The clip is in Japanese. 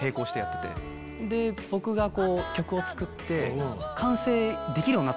僕が曲を作って。